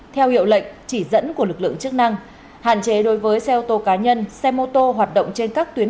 theo hiệu lệnh chỉ dẫn của lực lượng chức năng hạn chế đối với xe ô tô cá nhân xe mô tô hoạt động trên các tuyến